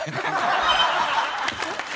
ハハハハ！